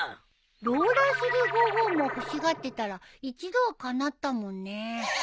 ローラースルーゴーゴーも欲しがってたら一度はかなったもんね。